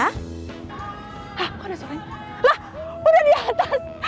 hah kok ada suaranya lah udah di atas